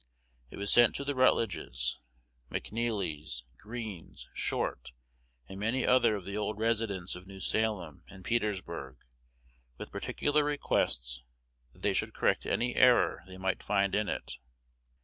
It was sent to the Rutledges, McNeeleys, Greenes, Short, and many other of the old residents of New Salem and Petersburg, with particular requests that they should correct any error they might find in it.